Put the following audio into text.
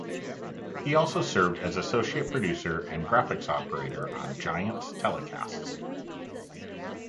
He also served as associate producer and graphics operator on Giants telecasts.